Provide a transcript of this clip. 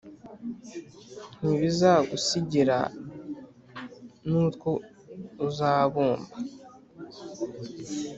ntibizagusigira n’utwo uzahumba?